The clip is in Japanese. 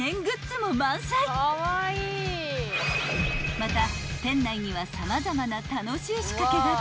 ［また］